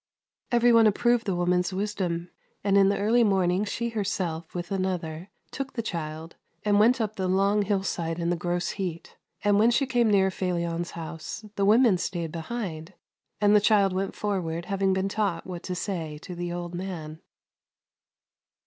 Every one approved the woman's wisdom, and in the early morning she herself, with another, took the child and went up the long hillside in the gross heat ; and when they came near Felion's house the women 344 THE LANE THAT HAD NO TURNING stayed behind, and the child went forward, having been taught what to say to the old man.